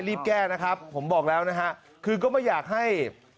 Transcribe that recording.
รีบแก้นะครับผมบอกแล้วนะฮะคือก็ไม่อยากให้